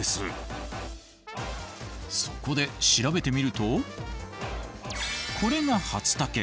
そこで調べてみるとこれがハツタケ。